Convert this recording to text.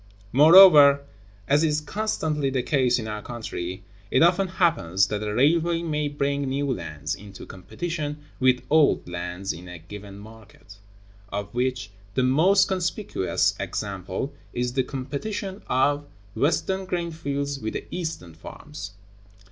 (134) Moreover, as is constantly the case in our country, it often happens that a railway may bring new lands into competition with old lands in a given market; of which the most conspicuous example is the competition of Western grain fields with the Eastern farms.